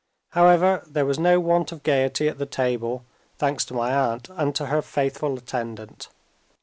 However, there was no want of gaiety at the table thanks to my aunt, and to her faithful attendant.